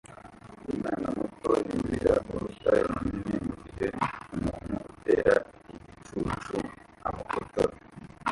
Umwana muto yurira urutare runini mugihe umuntu utera igicucu amufotora